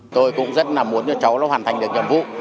tôi cũng rất là muốn cho cháu nó hoàn thành được nhiệm vụ